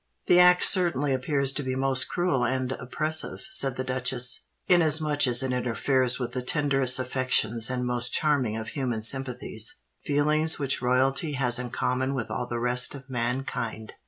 "The act certainly appears to me most cruel and oppressive," said the duchess; "inasmuch as it interferes with the tenderest affections and most charming of human sympathies—feelings which royalty has in common with all the rest of mankind."